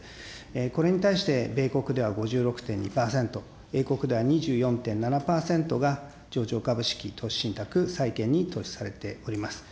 これに対して、米国では５６．２％、英国では２４．７％が、上場株式、投資信託、債券に投資されております。